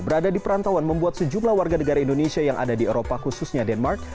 berada di perantauan membuat sejumlah warga negara indonesia yang ada di eropa khususnya denmark